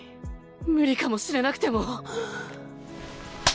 ムリかもしれなくても！